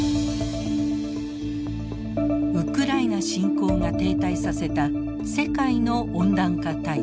ウクライナ侵攻が停滞させた世界の温暖化対策。